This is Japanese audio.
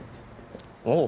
おう。